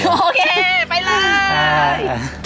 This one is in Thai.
โอเคไปเลย